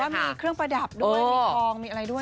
มีเครื่องประดับด้วยมีทองมีอะไรด้วย